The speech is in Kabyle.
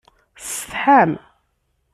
Tsetḥam?